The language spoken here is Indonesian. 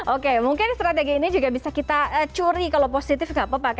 oke mungkin strategi ini juga bisa kita curi kalau positif nggak apa apa